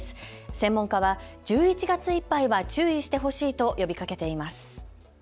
専門家は１１月いっぱいは注意してほしいと呼びかけています。